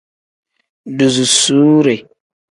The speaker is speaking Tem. Duzusuure.